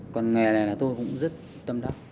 còn nghề này là tôi cũng rất tâm đắc